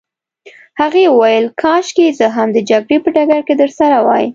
هغې وویل: کاشکې زه هم د جګړې په ډګر کي درسره وای.